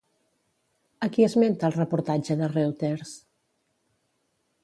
A qui esmenta el reportatge de Reuters?